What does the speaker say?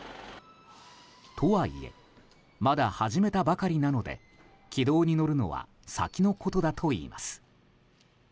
とはいえまだ始めたばかりなので軌道に乗るのは先のことだといいます。